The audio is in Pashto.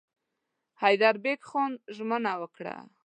حیدربېګ خان ژمنه وکړه.